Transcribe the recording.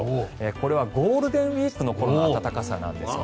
これはゴールデンウィークの頃の暖かさなんです。